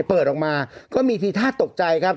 เปิดออกมาก็มีทีท่าตกใจครับ